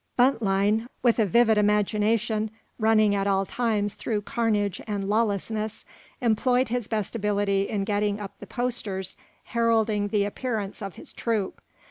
Buntline, with a vivid imagination running at all times through carnage and lawlessness, employed his best ability in getting up the posters heralding the appearance of his troupe.